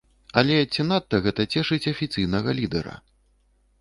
Але ці надта гэта цешыць афіцыйнага лідэра?